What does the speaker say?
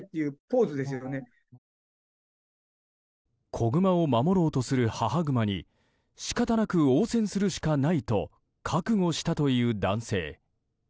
子グマを守ろうとする母グマにしかたなく応戦するしかないと覚悟したという男性。